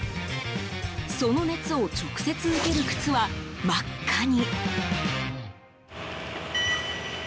その熱を直接受ける靴は真っ赤に。